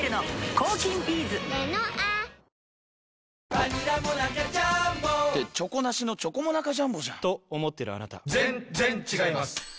バニラモナカジャーンボって「チョコなしのチョコモナカジャンボ」じゃんと思ってるあなた．．．ぜんっぜんっ違います